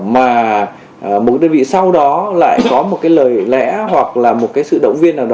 mà một cái đơn vị sau đó lại có một cái lời lẽ hoặc là một cái sự động viên